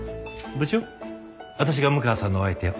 部長私が六川さんのお相手を。